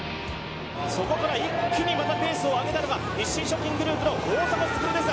そこから一気にペースを上げたのは日清食品グループの大迫傑でした。